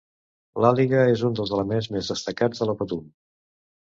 L'Àliga és un dels elements més destacats de la Patum.